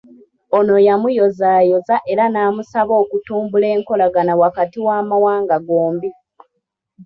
Ono yamuyozaayoza era namusaba okutumbula enkolagana wakati w'amawanga gombi.